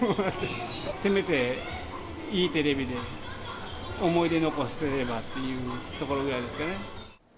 せめていいテレビで思い出残せればっていうところぐらいですかね。